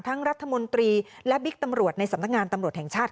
รัฐมนตรีและบิ๊กตำรวจในสำนักงานตำรวจแห่งชาติ